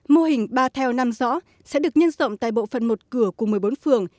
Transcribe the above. mô hình ba theo năm rõ sẽ được nhân rộng tại bộ phận một cửa của một mươi bốn phường